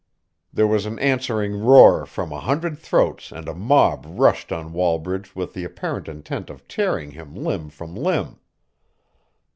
There was an answering roar from a hundred throats and a mob rushed on Wallbridge with the apparent intent of tearing him limb from limb.